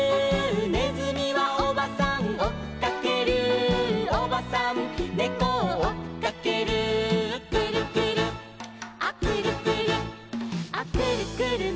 「ねずみはおばさんおっかける」「おばさんねこをおっかける」「くるくるアくるくるア」「くるくるマンボウ！」